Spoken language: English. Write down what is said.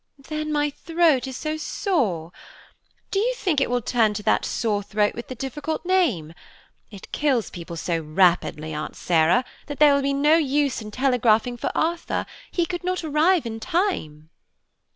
"Then my throat is so sore. Do you think it will turn to that sore throat with the difficult name? It kills people so rapidly, Aunt Sarah, that there will be no use in telegraphing for Arthur; he could not arrive in time."